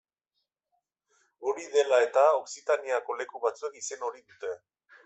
Hori dela eta Okzitaniako leku batzuek izen hori dute.